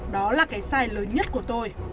đó là cái sai lớn nhất của tôi